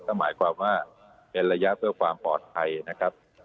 ก็หมายความว่าเป็นระยะเพื่อความปลอดภัยนะครับ